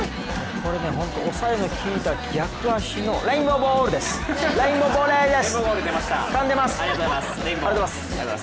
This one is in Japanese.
これ、本当に抑えの効いた逆足のレインボーボレーです。